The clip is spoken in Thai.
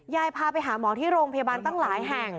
พาไปหาหมอที่โรงพยาบาลตั้งหลายแห่ง